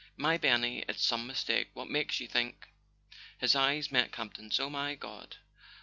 My Benny ? It's some mistake! What makes you think ?" His eyes met Campton's. "Oh, my God!